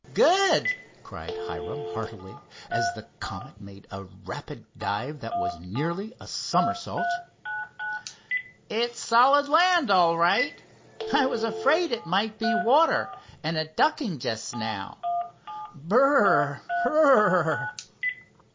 "Good," cried Hiram heartily, as the Comet made a rapid dive that was nearly a somersault. "It's solid land all right. I was afraid it might be water, and a ducking just now—brrr—rr!"